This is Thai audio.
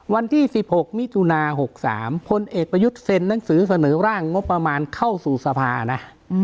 วันที่๑๖มิถุนา๖๓พลเอกประยุทธ์เซ็นหนังสือเสนอร่างงบประมาณเข้าสู่สภานะ